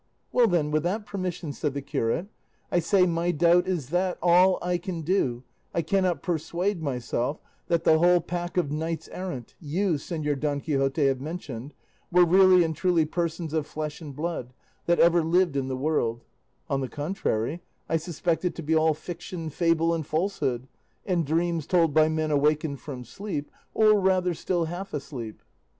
"Well then, with that permission," said the curate, "I say my doubt is that, all I can do, I cannot persuade myself that the whole pack of knights errant you, Señor Don Quixote, have mentioned, were really and truly persons of flesh and blood, that ever lived in the world; on the contrary, I suspect it to be all fiction, fable, and falsehood, and dreams told by men awakened from sleep, or rather still half asleep."